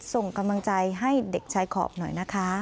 ส่งกำลังใจให้เด็กชายขอบหน่อยนะคะ